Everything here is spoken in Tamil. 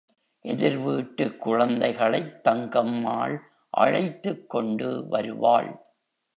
எதிர்வீட்டுக் குழந்தைகளைத் தங்கம்மாள் அழைத்துக் கொண்டு வருவாள்.